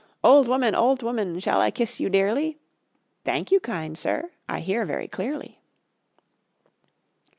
"Old woman, old woman, shall I kiss you dearly?" "Thank you, kind sir, I hear very clearly."